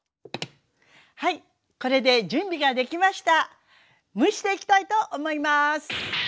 はいこれで準備ができました。